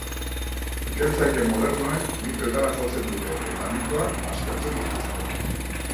Ikertzaile modernoek mitoetara jotzen dute eta mitoak aztertzen dituzte.